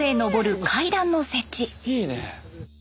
いいね！